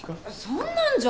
そんなんじゃ。